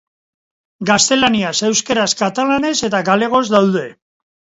Gaztelaniaz, euskaraz, katalanez eta galegoz daude.